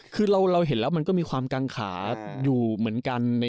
คือเราเห็นแล้วมันก็มีความกังขาอยู่เหมือนกัน